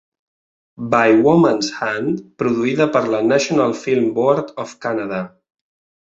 "By woman's hand", produïda per la National Film Board of Canada.